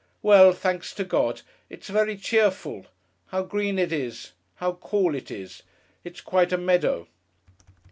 Well! Thanks to God! It's very cheerful. How green it is, how cool it is! It's quite a meadow!